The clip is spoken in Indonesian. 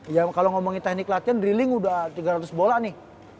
ya kalau ngomongin teknik latihan drilling udah tiga ratus bola nih